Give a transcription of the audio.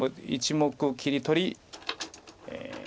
１目切り取り。